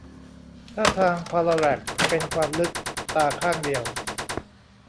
ท่าทางพารัลแลกซ์เป็นความลึกตาข้างเดียว